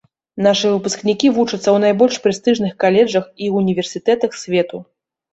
Нашы выпускнікі вучацца ў найбольш прэстыжных каледжах і ўніверсітэтах свету.